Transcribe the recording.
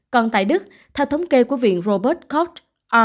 còn tại đức theo thống kê của viện robert cott